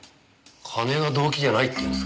金が動機じゃないっていうんですか？